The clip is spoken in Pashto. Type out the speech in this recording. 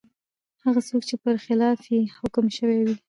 هغه څوک دی چي پر خلاف یې حکم سوی وي ؟